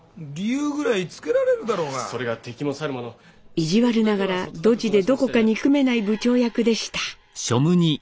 意地悪ながらドジでどこか憎めない部長役でした。